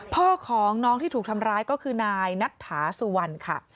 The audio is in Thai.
พ่อของน้องที่ถูกทำร้ายก็คือนายนัทถาสุวรรณค่ะ